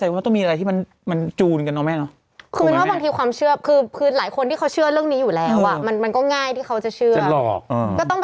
ผมก็เลยถามรู้จักนี่ไหมออฟฟิศดโดม